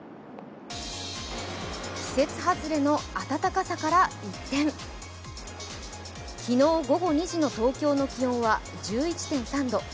季節外れの暖かさから一転昨日午後２時の東京の気温は１１．３度。